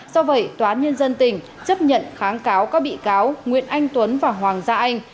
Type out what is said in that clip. do vậy tòa án nhân dân tỉnh chấp nhận kháng cáo các bị cáo nguyễn anh tuấn và hoàng gia anh